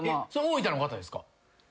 大分の方ですか？